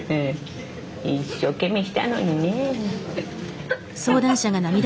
一生懸命したのにねえ。